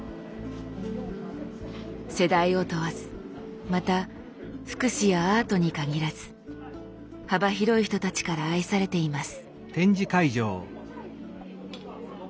世代を問わずまた福祉やアートに限らず幅広い人たちから愛されています。